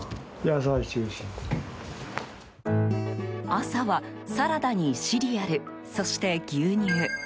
朝はサラダにシリアルそして牛乳。